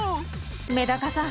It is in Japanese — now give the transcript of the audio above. メダカさん